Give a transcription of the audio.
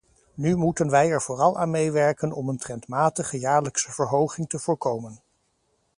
Nu moeten wij er vooral aan meewerken om een trendmatige jaarlijkse verhoging te voorkomen.